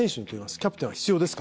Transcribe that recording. キャプテンは必要ですか？